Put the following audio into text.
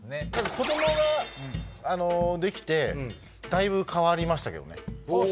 子供ができてだいぶ変わりましたけどね。